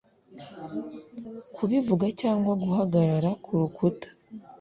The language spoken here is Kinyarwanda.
Kubivuga cyangwa guhagarara kurukuta